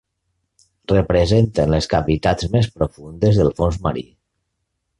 Representen les cavitats més profundes del fons marí.